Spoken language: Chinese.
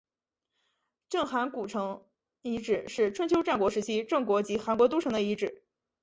郑韩故城遗址是春秋战国时期郑国及韩国都城的遗址。